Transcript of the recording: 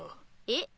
えっ？